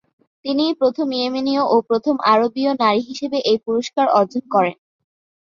তিনিই প্রথম ইয়েমেনীয় ও প্রথম আরবীয় নারী হিসেবে এই পুরস্কার অর্জন করেন।